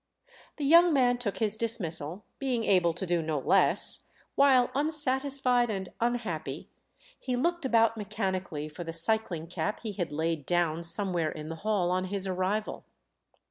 The young man took his dismissal, being able to do no less, while, unsatisfied and unhappy, he looked about mechanically for the cycling cap he had laid down somewhere in the hall on his arrival.